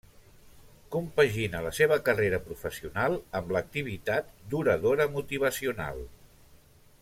Compagina la seva carrera professional amb l'activitat d'oradora motivacional.